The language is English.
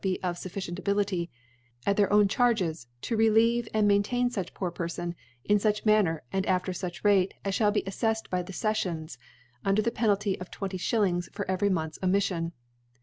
be of fufiicient Ability) tt their own Charges to rehcve and maintain fuch poor Pcrfon in fuch Manner and after fuch Rate, as (hall be aflcfled by the Sef* fi®ns, under the Penalty of 20 J. for every Month's Omiffion.